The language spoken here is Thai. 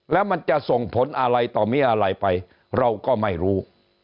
แล้วมันจะส่งผลอะไรต่อมีอะไรไปเราก็ไม่รู้